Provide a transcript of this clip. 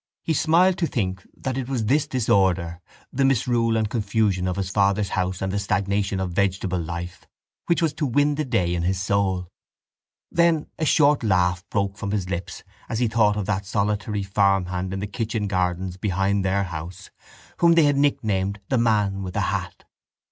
He smiled to think that it was this disorder, the misrule and confusion of his father's house and the stagnation of vegetable life, which was to win the day in his soul. Then a short laugh broke from his lips as he thought of that solitary farmhand in the kitchen gardens behind their house whom they had nicknamed the man with the hat.